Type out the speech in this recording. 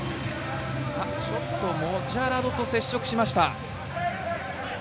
ちょっとムジャラドと接触しました。